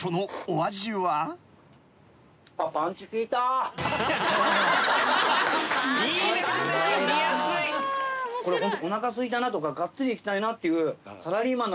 おなかすいたなとかがっつりいきたいなっていう。